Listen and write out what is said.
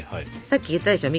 さっき言ったでしょ